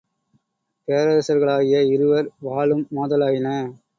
பேரரசர்களாகிய இருவர் வாளும் மோதலாயின.